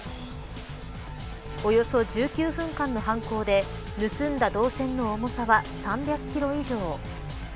およそ１９分間の犯行で盗んだ銅線の重さは３００キロ以上。